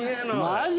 マジ？